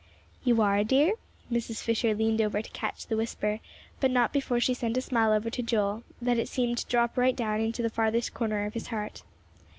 "You are, dear?" Mrs. Fisher leaned over to catch the whisper, but not before she sent a smile over to Joel that seemed to drop right down into the farthest corner of his heart.